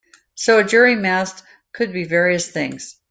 So a jury mast could be various things.